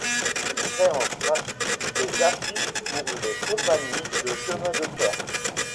Il crée enfin des affiches pour les compagnies de chemins de fer.